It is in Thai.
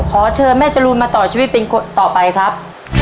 ขอเชิญแม่จรูนมาต่อชีวิตเป็นคนต่อไปครับ